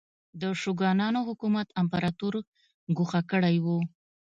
د شوګانانو حکومت امپراتور ګوښه کړی و.